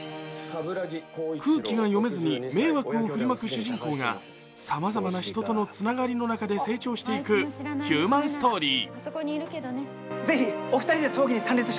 空気が読めずに迷惑を振りまく主人公がさまざまな人とのつながりの中で成長していくヒューマンストーリー。